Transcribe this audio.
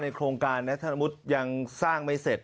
โครงการนะถ้าสมมุติยังสร้างไม่เสร็จ